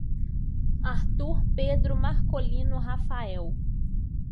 Arthur Pedro Marcolino Rafael